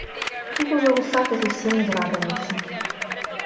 Тут ужо вусаты зусім узрадаваўся.